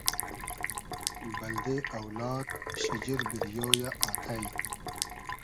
بئلدې اۆلاد شیجیر بیریۉ یۂ آتݷ